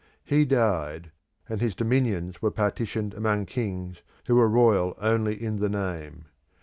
He died, and his dominions were partitioned among kings who were royal only in the name.